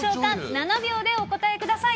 ７秒でお答えください。